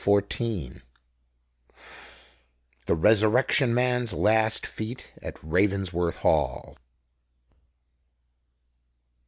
CHAPTER CCXLIX. THE RESURRECTION MAN'S LAST FEAT AT RAVENSWORTH HALL.